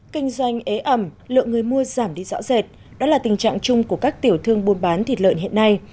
kinh doanh ế ẩm lượng người mua giảm đi rõ rệt đó là tình trạng chung của các tiểu thương buôn bán thịt lợn hiện nay